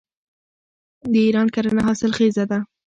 د ایران کرنه حاصلخیزه ده.